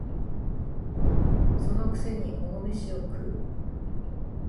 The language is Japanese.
その癖に大飯を食う